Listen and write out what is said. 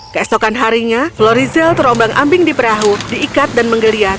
keesokan harinya florizel terombang ambing di perahu diikat dan menggeliat